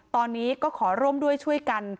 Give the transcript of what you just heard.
ตอนนี้ก็ขอร่วมด้วยช่วยกัน